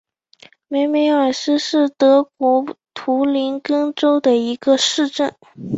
梅梅尔斯是德国图林根州的一个市镇。